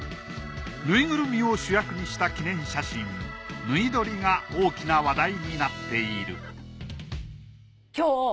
ぬいぐるみを主役にした記念写真ぬい撮りが大きな話題になっている今日